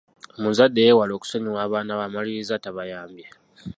Omuzadde eyeewala okusonyiwa abaana be amaliriza tabayambye.